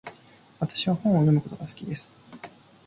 私は本を読むことが好きです。